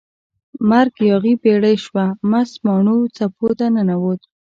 مرک یاغي بیړۍ شوه، مست ماڼو څپو ته ننووت